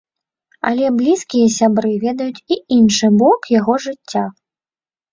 Але блізкія сябры ведаюць і іншы бок яго жыцця.